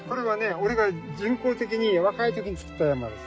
俺が人工的に若い時に造った山です。